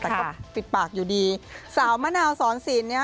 แต่ก็ปิดปากอยู่ดีสาวมะนาวสอนศิลป์เนี่ย